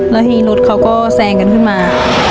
แล้วทีนี้รถเขาก็แซงกันขึ้นมา